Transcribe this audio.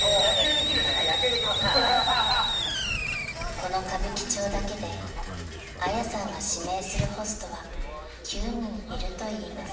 ［この歌舞伎町だけであやさんが指名するホストは９人いるといいます］